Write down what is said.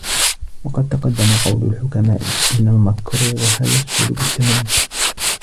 وَقَدْ تَقَدَّمَ قَوْلُ الْحُكَمَاءِ إنَّ الْمَكْرُوهَ يَسْهُلُ بِالتَّمْرِينِ